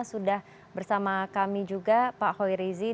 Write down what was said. sudah bersama kami juga pak hoi rizie